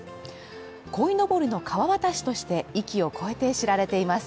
こいのぼりの川渡しとして域を越えて知られています。